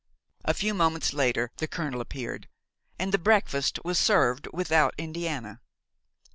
A few moments later the colonel appeared, and the breakfast was served without Indiana.